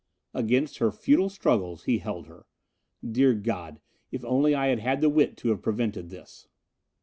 Against her futile struggles he held her. Dear God, if only I had had the wit to have prevented this!